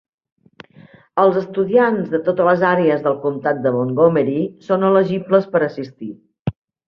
Els estudiants de totes les àrees del Comtat de Montgomery són elegibles per assistir.